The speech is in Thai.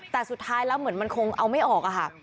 แต่สุดท้ายแล้วเหมือนมันคงเอาไม่ออกอะค่ะ